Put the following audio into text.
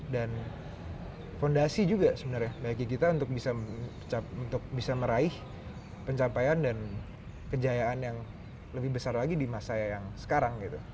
dan fondasi juga sebenarnya bagi kita untuk bisa meraih pencapaian dan kejayaan yang lebih besar lagi di masa yang sekarang gitu